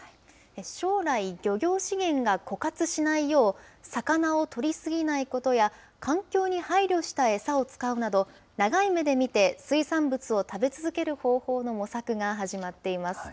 将来、漁業資源が枯渇しないよう、魚を取り過ぎないことや、環境に配慮した餌を使うなど、長い目で見て水産物を食べ続ける方法の模索が始まっています。